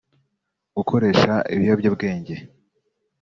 gukoresha ibiyobyabwenge